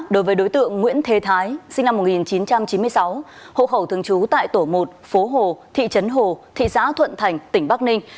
đối với đối tượng nguyễn thế thái sinh năm một nghìn chín trăm chín mươi sáu hộ khẩu thường trú tại tổ một phố hồ thị trấn hồ thị xã thuận thành tỉnh bắc ninh